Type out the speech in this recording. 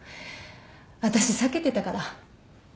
私避けてたから。